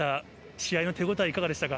試合の手応え、いかがでしたか。